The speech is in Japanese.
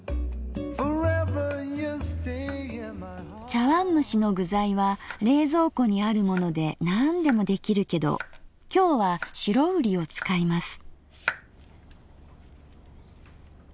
茶わんむしの具材は冷蔵庫にあるものでなんでも出来るけど今日は白瓜を使います。